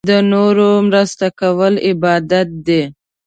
د نورو مرسته کول عبادت دی.